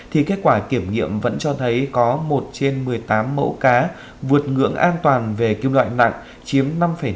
thì kết quả kiểm nghiệm vẫn cho thấy có một trên một mươi tám mẫu cá vượt ngưỡng an toàn về kim loại nặng chiếm năm tám